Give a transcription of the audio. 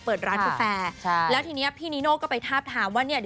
เปิดร้านกาแฟใช่แล้วทีนี้พี่นิโน่ก็ไปทาบทามว่าเนี่ย